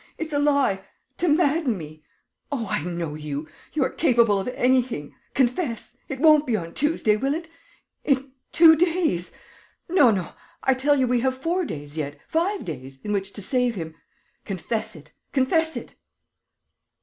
It's a lie ... to madden me.... Oh, I know you: you are capable of anything! Confess! It won't be on Tuesday, will it? In two days! No, no.... I tell you, we have four days yet, five days, in which to save him.... Confess it, confess it!"